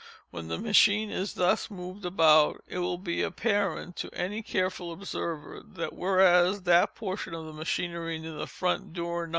When the machine is thus moved about, it will be apparent to any careful observer, that whereas that portion of the machinery near the front door No.